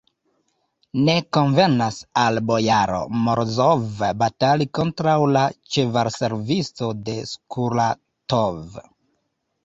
Ne konvenas al bojaro Morozov batali kontraŭ la ĉevalservisto de Skuratov!